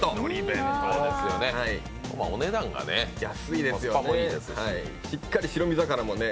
お値段が安いですよね。